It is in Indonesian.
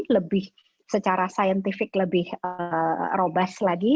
lebih secara saintifik lebih robase lagi